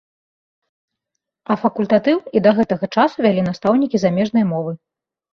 А факультатыў і да гэтага часу вялі настаўнікі замежнай мовы.